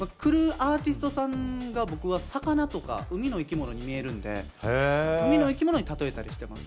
アーティストさんが僕はさかなとか海の生き物に見えるんで海の生き物に例えたりしてます